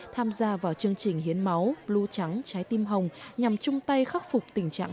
tham gia vào chương trình hiến máu lũ trắng trái tim hồng nhằm chung tay khắc phục tình trạng